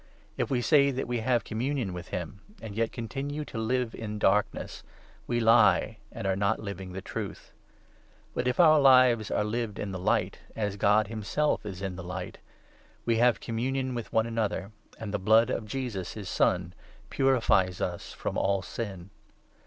If we say that we have communion with him, and yet 6 continue to live in the Darkness, we lie, and are not living the Truth. But, if our lives are lived in the Light, as God 7 himself is in the Light, we have communion with one another, and the Blood of Jesus, his Son, purifies us from all sin.